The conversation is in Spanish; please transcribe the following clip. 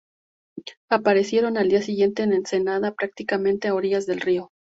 Aparecieron al día siguiente en Ensenada, prácticamente a orillas del río.